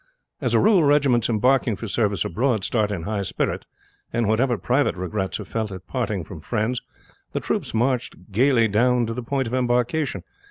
As a rule regiments embarking for service abroad start in high spirits, and whatever private regrets are felt at parting from friends, the troops march gayly down to the point of embarkation.